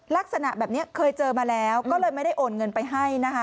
ลักษณะแบบนี้เคยเจอมาแล้วก็เลยไม่ได้โอนเงินไปให้นะคะ